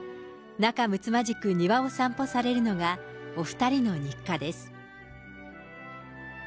仲むつまじく庭を散歩されるのがお２人の日課です。